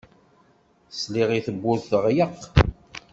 Sliɣ i tewwurt teɣleq.